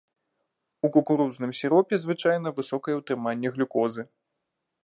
У кукурузным сіропе звычайна высокае ўтрыманне глюкозы.